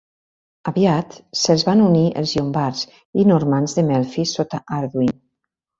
Aviat se'ls van unir els llombards i normands de Melfi sota Arduin.